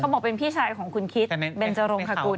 บอกเป็นพี่ชายของคุณคิดเบนจรงคกุล